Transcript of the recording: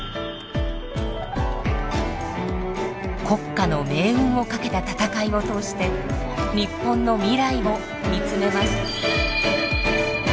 国家の命運をかけた闘いを通して日本の未来を見つめます。